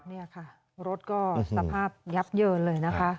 นี่ค่ะรถก็สภาพยับเยินเลยนะคะ